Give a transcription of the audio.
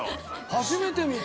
初めて見た！